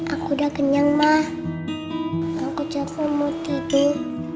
aku udah kenyang ma aku juga mau tidur